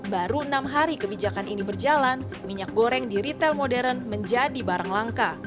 baru enam hari kebijakan ini berjalan minyak goreng di retail modern menjadi barang langka